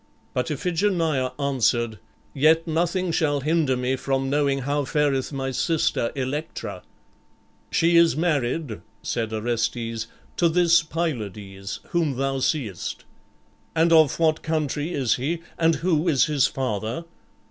But Iphigenia answered, "Yet nothing shall hinder me from knowing how fareth my sister Electra." "She is married," said Orestes, "to this Pylades, whom thou seest." "And of what country is he and who is his father?"